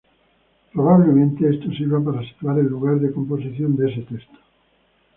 Probablemente esto sirva para situar el lugar de composición de ese texto.